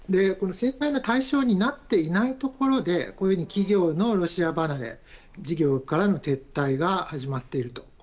制裁の対象になっていないところでこのように企業のロシア離れ事業からの撤退が始まっていると。